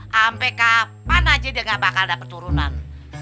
sampai kapan aja dia gak bakal dapet turunan